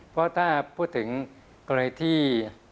เพราะถ้าพูดถึงกรณีที่